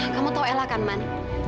kamu tau ella kan man